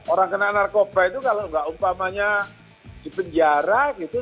orang kena narkoba itu kalau nggak umpamanya dipenjara gitu